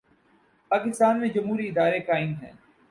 پاکستان میں جمہوری ادارے قائم ہیں۔